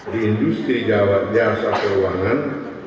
di industri jasa peruangan